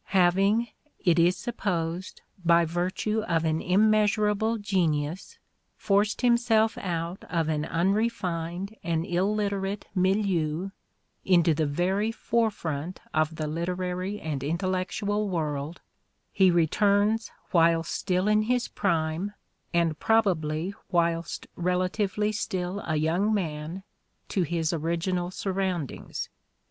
Having it is supposed by virtue of an immeasurable genius forced himself out of an unrefined and illiterate milieu into the very forefront of the literary and intellectual world, he ret urns whilst still in his prime, and probably whilst relatively still a young man, to his original surroundings.